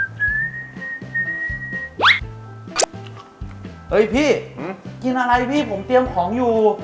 เฮ้ยพี่กินอะไรพี่ผมเตรียมของอยู่